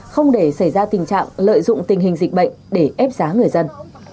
không để xảy ra tình trạng lợi dụng tình hình dịch bệnh để ép giá người dân